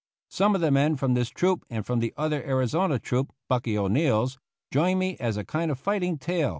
Some of the men from this troop and from the other Arizona troop (Bucky O'Neill's) joined me as a kind of fighting tail.